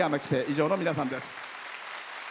以上の皆さんです。